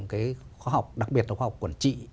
khóa học đặc biệt là khóa học quản trị